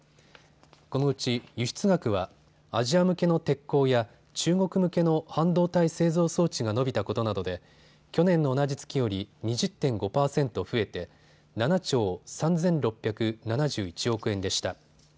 このうち輸出額はアジア向けの鉄鋼や中国向けの半導体製造装置が伸びたことなどで去年の同じ月より２０．５％増えて７兆３６７１億円でした。